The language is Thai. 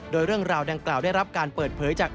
โดยเรื่องราวดังกล่าวได้รับการเปิดเผยจาก